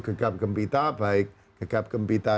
gegap gempita baik gegap gempita